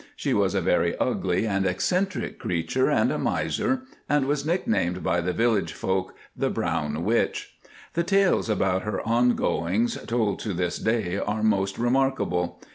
She was a very ugly and eccentric creature, and a miser, and was nicknamed by the village folk "The Brown Witch." The tales about her ongoings told to this day are most remarkable.